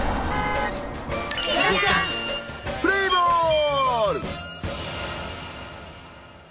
プレーボール！